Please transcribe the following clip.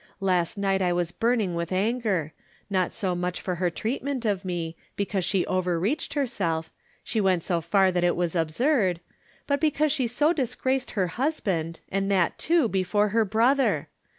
Last night I was burning with anger ; not so much for her treatment of me, because she overreached herself — she went so far that it was absurd — ^but because she so disgraced her husband, and that, too, before her brother.